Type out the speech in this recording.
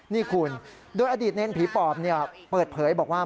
นี่คุณโดยอดีตเนรผีปอบเปิดเผยบอกว่า